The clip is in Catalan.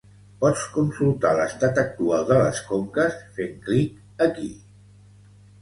Pots consultar l'estat actual de les conques fent clic aquí.